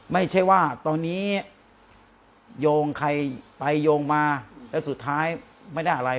ไม่ใช่ว่าตอนนี้โยงใครไปโยงมาแล้วสุดท้ายไม่ได้อะไร